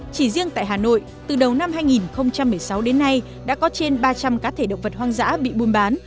chỉ riêng tại hà nội từ đầu năm hai nghìn một mươi sáu đến nay đã có trên ba trăm linh cá thể động vật hoang dã bị buôn bán